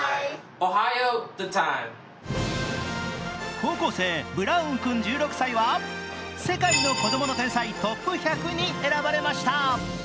高校生ブラウン君１６歳は世界の子供の天才トップ１００に選ばれました。